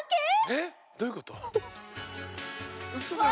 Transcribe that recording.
えっどういうこと？